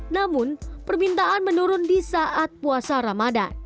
namun permintaan menurun di saat puasa ramadan